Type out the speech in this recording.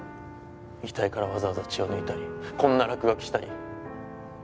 遺体からわざわざ血を抜いたりこんな落書きしたり。